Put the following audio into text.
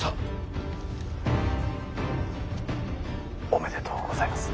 おめでとうございます。